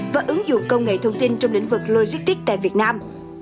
và ứng dụng công nghệ thông tin trong lĩnh vực logistics tại việt nam